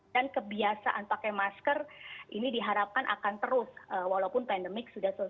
dan kebiasaan pakai masker ini diharapkan akan terus walaupun pandemik sudah selesai